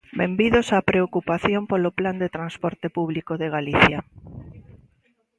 Benvidos á preocupación polo Plan de transporte público de Galicia.